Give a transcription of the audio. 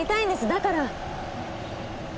だから。